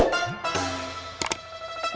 itu bet ga bisa gitu raddy